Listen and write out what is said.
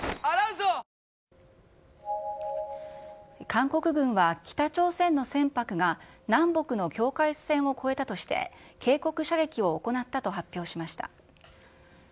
韓国軍は北朝鮮の船舶が、南北の境界線を越えたとして、警告射撃を行ったと発表しました。